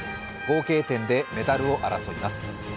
合計点でメダルを争います。